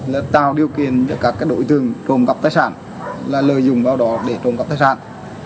là tạo điều kiện cho các đối tượng trộm cắp tài sản là lợi dụng vào đó để trộm cắp tài sản